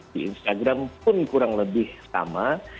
di instagram pun kurang lebih sama